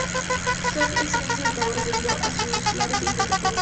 Son excelentes saltadoras debido a sus largas y esbeltas patas traseras.